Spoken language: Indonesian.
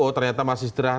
oh ternyata masih setirah